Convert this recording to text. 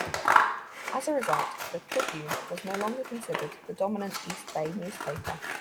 As a result, the "Tribune" was no longer considered the dominant East Bay newspaper.